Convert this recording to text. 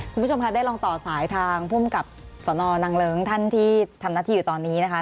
คุณผู้ชมค่ะได้ลองต่อสายทางภูมิกับสนนางเลิ้งท่านที่ทำหน้าที่อยู่ตอนนี้นะคะ